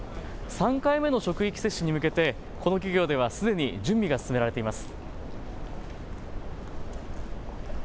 ３回目の職域接種に向けてこの企業ではすでに準備が進められています。